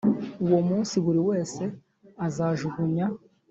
Uwo munsi, buri wese azajugunya